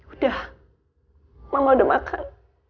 udah mama udah makan